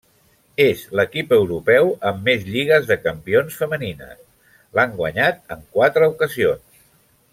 És l'equip europeu amb més Lligues de Campions femenines: l'han guanyat en quatre ocasions.